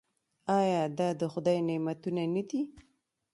آیا دا د خدای نعمتونه نه دي؟